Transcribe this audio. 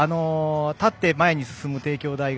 立って前に進む帝京大学。